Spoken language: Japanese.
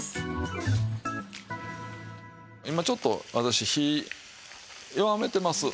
今ちょっと私火弱めてます。